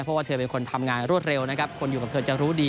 เพราะว่าเธอเป็นคนทำงานรวดเร็วนะครับคนอยู่กับเธอจะรู้ดี